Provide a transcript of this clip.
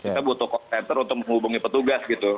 kita butuh call center untuk menghubungi petugas gitu